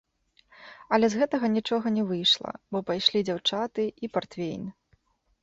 Але з гэтага нічога не выйшла, бо пайшлі дзяўчаты і партвейн.